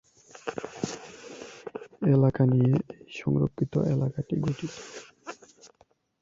এলাকা নিয়ে এই সংরক্ষিত এলাকাটি গঠিত।